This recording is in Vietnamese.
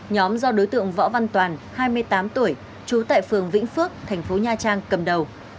nhóm do đối tượng võ văn toàn hai mươi tám tuổi trú tại phường vĩnh phước thành phố nha trang cầm đầu